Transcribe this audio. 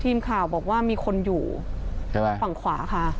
ทีมข่าวบอกว่ามีคนอยู่ใช่ไหมฝั่งขวาค่ะ